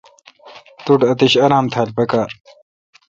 توٹھ اتش آرام تھال پکار۔